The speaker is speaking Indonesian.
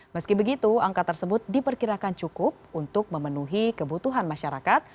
meski begitu angka tersebut diperkirakan cukup untuk memenuhi kebutuhan masyarakat